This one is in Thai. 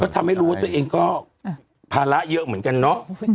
ทำให้รู้ว่าตัวเองก็ภาระเยอะเหมือนกันเนาะ